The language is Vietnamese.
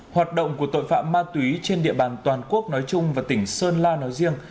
hoạt động của tội phạm ma túy trên địa bàn toàn quốc nói chung và tỉnh sơn la nói riêng